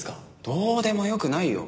どうでもよくないよ。